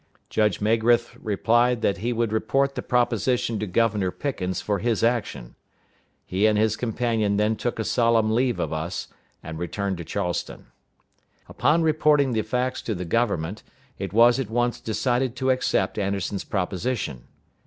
Judge Magrath replied that he would report the proposition to Governor Pickens for his action. He and his companion then took a solemn leave of us, and returned to Charleston. Upon reporting the facts to the governor, it was at once decided to accept Anderson's proposition.